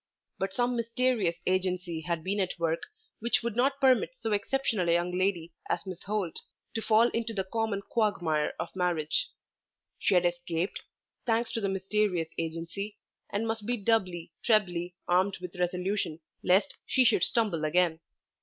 But some mysterious agency had been at work which would not permit so exceptional a young lady as Miss Holt to fall into the common quagmire of marriage. She had escaped, thanks to the mysterious agency, and must be doubly, trebly, armed with resolution lest she should stumble again.